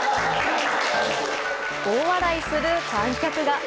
大笑いする観客が。